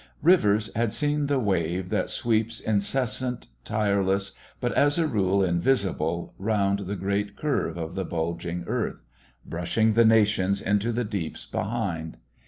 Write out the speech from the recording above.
Rivers had seen the Wave that sweeps incessant, tireless, but as a rule invisible, round the great curve of the bulging earth, brushing the nations into the deeps behind.